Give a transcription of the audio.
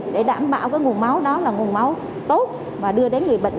để đảm bảo cái nguồn máu đó là nguồn máu tốt và đưa đến người bệnh